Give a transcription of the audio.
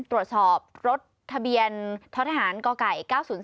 ตรวจสอบรถทะเบียนท้อทหารกไก่๙๐๔